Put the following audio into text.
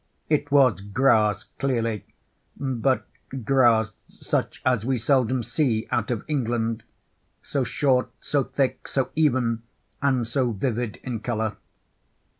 It was grass, clearly—but grass such as we seldom see out of England—so short, so thick, so even, and so vivid in color.